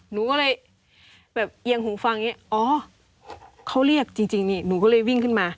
หนูก็เลยแบบเอียงหูฟังอย่างนี้อ๋อเขาเรียกจริงนี่หนูก็เลยวิ่งขึ้นมา